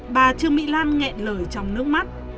bà trương mỹ lan nghẹn lời trong nước mắt